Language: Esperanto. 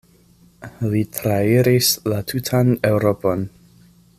Li trairis la tutan Eŭropon.